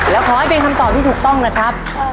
แล้วขอให้เป็นคำตอบที่ถูกต้องนะครับ